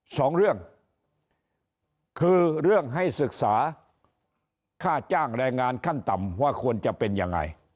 สองเรื่องคือเรื่องให้ศึกษาค่าจ้างแรงงานขั้นต่ำว่าควรจะเป็นยังไง